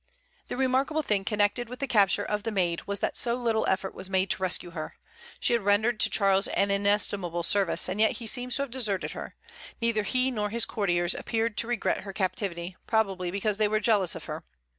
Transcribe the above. The remarkable thing connected with the capture of the Maid was that so little effort was made to rescue her. She had rendered to Charles an inestimable service, and yet he seems to have deserted her; neither he nor his courtiers appeared to regret her captivity, probably because they were jealous of her.